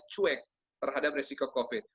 lebih cuek terhadap risiko covid